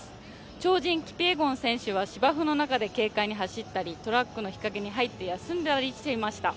超人キピエゴン選手は芝生の中で軽快に走ったり、トラックの日陰に入って休んだりしていました。